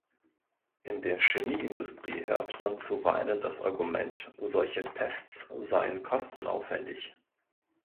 In der Chemieindustrie hört man zuweilen das Argument, solche Tests seien kostenaufwändig.